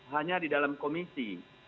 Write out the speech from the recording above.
hanya di dalam komisi